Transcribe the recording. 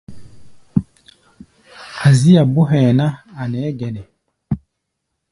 Azía bó hɛ̧ɛ̧ ná, a̧ nɛɛ́ gɛnɛ.